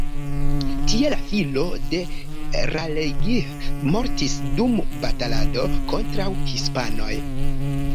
Tie la filo de Raleigh mortis dum batalado kontraŭ hispanoj.